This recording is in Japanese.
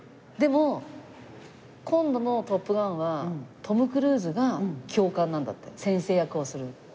でも今度の『トップガン』はトム・クルーズが教官なんだって先生役をする。